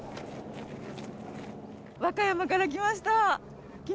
和歌山から来ました。